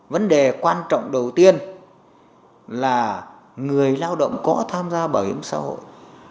vấn đề quan trọng đầu tiên là người lao động có tham gia bảo hiểm xã hội